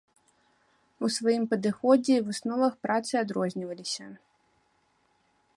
У сваім падыходзе і высновах працы адрозніваліся.